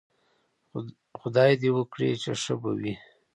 خدای دې وکړي چې ښه به وئ